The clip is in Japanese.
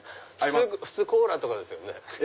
普通コーラとかですよね。